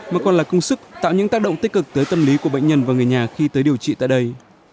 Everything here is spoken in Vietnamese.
mà còn là công sức tạo những tác động tích cực tới tâm lý của bệnh nhân và người nhà khi tới điều trị tại đây